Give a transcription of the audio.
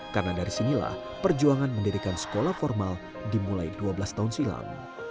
karena dari sinilah perjuangan mendirikan sekolah formal dimulai dua belas tahun silam